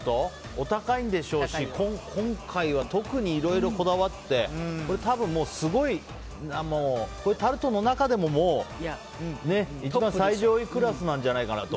お高いんでしょうし今回は特にいろいろこだわってたぶんすごい、タルトの中でも一番最上位クラスなんじゃないかと。